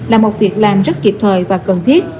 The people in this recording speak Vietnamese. là một việc làm rất kịp thời và cần thiết